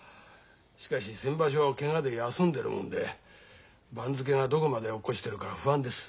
しかし先場所をケガで休んでるもんで番付がどこまで落っこちてるか不安です。